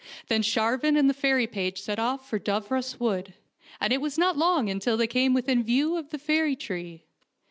Then Sharvan and the fairy page set off for Dooros Wood, and it was not long until they came within view of the fairy tree.